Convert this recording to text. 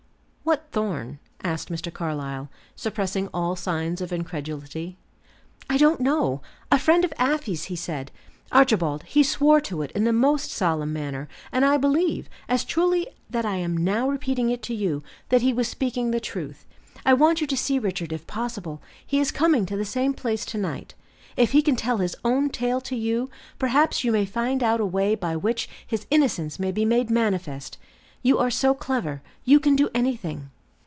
"What Thorn?" asked Mr. Carlyle, suppressing all signs of incredulity. "I don't know; a friend of Afy's, he said. Archibald, he swore to it in the most solemn manner; and I believe, as truly as that I am now repeating it to you, that he was speaking the truth. I want you to see Richard, if possible; he is coming to the same place to night. If he can tell his own tale to you, perhaps you may find out a way by which his innocence may be made manifest. You are so clever, you can do anything."